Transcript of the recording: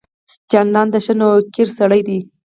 جانداد د ښه نویکر سړی دی.